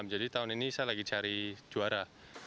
jadi tahun ini saya lagi cari juara